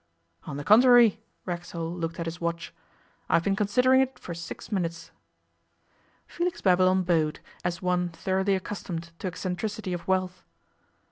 'On the contrary,' Racksole looked at his watch, 'I have been considering it for six minutes.' Felix Babylon bowed, as one thoroughly accustomed to eccentricity of wealth.